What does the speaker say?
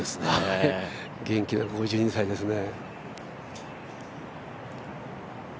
元気な５２歳ですね。